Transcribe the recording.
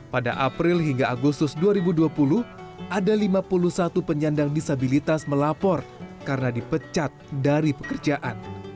pada april hingga agustus dua ribu dua puluh ada lima puluh satu penyandang disabilitas melapor karena dipecat dari pekerjaan